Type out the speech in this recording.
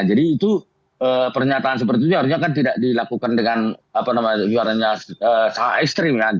jadi itu pernyataan seperti itu harusnya kan tidak dilakukan dengan juaranya sangat ekstrim ya